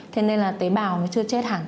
thế nên là tế bào nó chưa chết hẳn